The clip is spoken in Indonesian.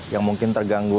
yang mungkin terganggu